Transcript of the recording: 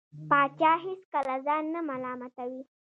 پاچا هېڅکله ځان نه ملامتوي .